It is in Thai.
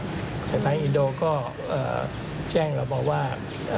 แต่ลิขการทางอินโดกเจ้งเราบอกว่า